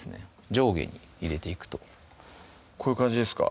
上下に入れていくとこういう感じですか？